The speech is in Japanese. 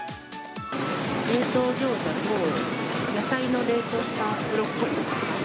冷凍ギョーザと、野菜の冷凍したブロッコリー。